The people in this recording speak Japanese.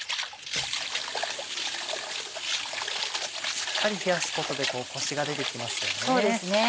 しっかり冷やすことでコシが出てきますよね。